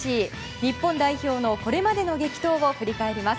日本代表のこれまでの激闘を振り返ります。